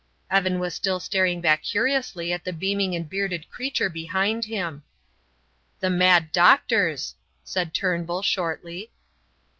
Evan was still staring back curiously at the beaming and bearded creature behind him. "The mad doctors," said Turnbull, shortly.